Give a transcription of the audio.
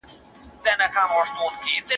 د لاسکي پېژند شعاري بڼه لري.